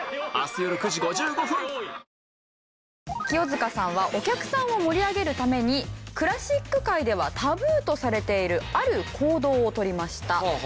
清塚さんはお客さんを盛り上げるためにクラシック界ではタブーとされているある行動を取りました。